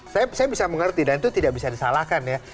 saya bisa mengerti dan itu tidak bisa disalahkan ya